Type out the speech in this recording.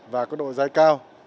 và có độ dai cao